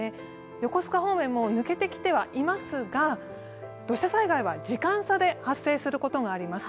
横須賀方面も抜けてきてはいますが土砂災害は時間差で発生することがあります。